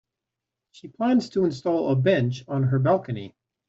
She plans to install a bench on her balcony.